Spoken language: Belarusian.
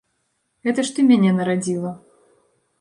Гэта ж ты мяне нарадзіла.